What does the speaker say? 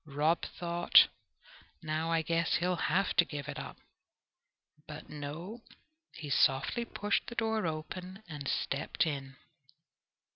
Rob thought, "Now I guess he'll have to give it up." But no, he softly pushed the door open and stepped in.